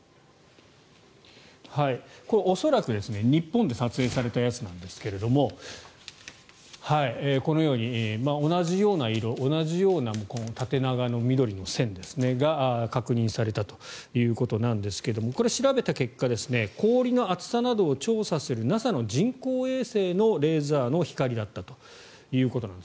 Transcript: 恐らく日本で撮影されたやつなんですがこのように同じような色同じような縦長の緑の線が確認されたということなんですがこれ、調べた結果氷の厚さなどを調査するＮＡＳＡの人工衛星のレーザーの光だったということです。